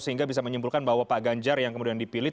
sehingga bisa menyimpulkan bahwa pak ganjar yang kemudian dipilih